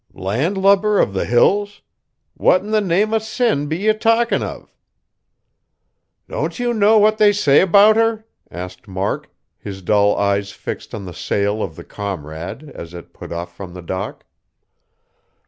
"Land lubber of the Hills? What in the name o' Sin be ye talkin' of?" "Don't you know what they say 'bout her?" asked Mark, his dull eyes fixed on the sail of the Comrade, as it put off from the dock.